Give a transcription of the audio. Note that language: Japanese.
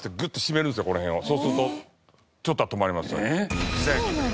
そうするとちょっとは止まります。